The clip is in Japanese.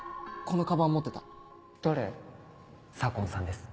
このカバン持ってた。